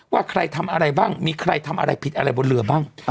ว่าใครทำอะไรบ้างมีใครทำอะไรผิดอะไรบนเรือบ้าง